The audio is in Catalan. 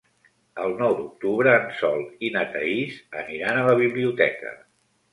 El nou d'octubre en Sol i na Thaís aniran a la biblioteca.